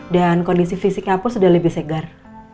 dan kondisi fisiknya pun sudah lebih segar